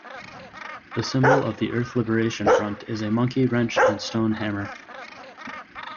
The symbol of the Earth Liberation Front is a monkey wrench and stone hammer.